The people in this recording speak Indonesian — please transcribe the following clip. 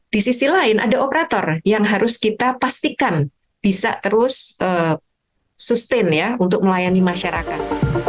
di sisi lain ada operator yang harus kita pastikan bisa terus sustain ya untuk melayani masyarakat